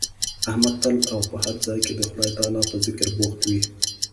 احمد تل او په هر ځای کې د خدای تعالی په ذکر بوخت وي.